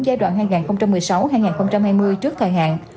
giai đoạn hai nghìn một mươi sáu hai nghìn hai mươi trước thời hạn